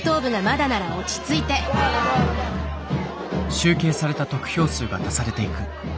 集計された得票数が足されていく。